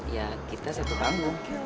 ya kita satu tanggung